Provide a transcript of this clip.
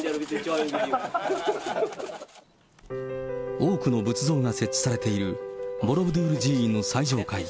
多くの仏像が設置されているボロブドゥール寺院最上階。